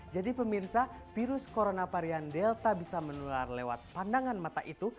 jadi pemirsa virus corona varian delta bisa menular lewat pandangan mata itu